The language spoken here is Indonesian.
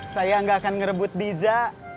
saya gak akan ngerebut diza